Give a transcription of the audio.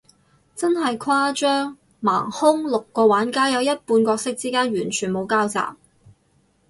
真係誇張，盲兇，六個玩家，有一半角色之間完全冇交集，